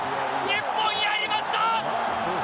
日本、やりました！